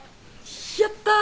やった。